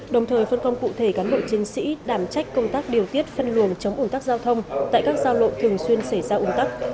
đồng thời phân công cụ thể cán bộ chiến sĩ đảm trách công tác điều tiết phân luồng chống ủn tắc giao thông tại các giao lộ thường xuyên xảy ra ủn tắc